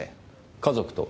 家族とは？